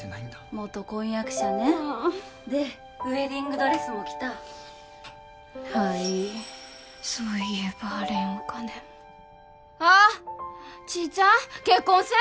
元婚約者ねあーっでウエディングドレスも来たはいいそういえばあれんお金もあっちーちゃん結婚せん？